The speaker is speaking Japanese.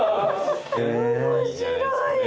面白い。